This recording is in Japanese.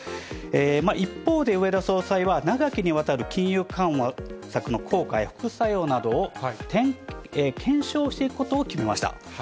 一方で、植田総裁は長きにわたる金融緩和策の効果や副作用などを検証していくことを決めました。